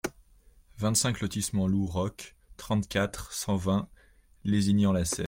vingt-cinq lotissement Lou Roc, trente-quatre, cent vingt, Lézignan-la-Cèbe